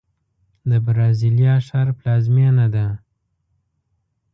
د برازیلیا ښار پلازمینه ده.